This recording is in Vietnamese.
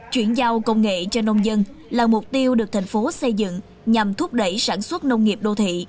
chuyển giao công nghệ cho nông dân là mục tiêu được thành phố xây dựng nhằm thúc đẩy sản xuất nông nghiệp đô thị